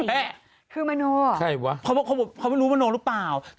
อะไรอย่างนั้น